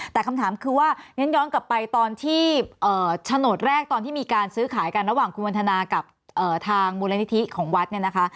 แต่คำถามคือว่างั้นย้อนกลับไปตอนที่โฉนดแรกตอนที่มีการซื้อขายกันระหว่างคุณวันทนากับทางมูลนิธิของวัดเนี่ยนะคะ